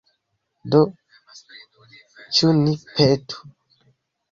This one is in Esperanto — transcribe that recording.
Do, ĉu ni petu?